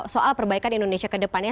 soal perbaikan indonesia kedepannya